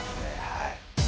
はい。